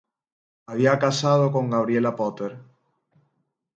Había casado con Gabriela Potter.